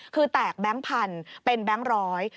คือแตกแบงค์พันธุ์เป็นแบงค์ร้อย